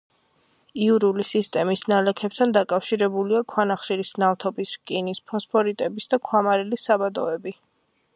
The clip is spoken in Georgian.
იურული სისტემის ნალექებთან დაკავშირებულია ქვანახშირის, ნავთობის, რკინის, ფოსფორიტების და ქვამარილის საბადოები.